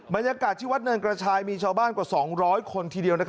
บรรยากาศที่วัดเนินกระชายมีชาวบ้านกว่า๒๐๐คนทีเดียว